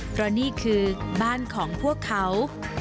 เพราะนี่คือบ้านของพวกเขา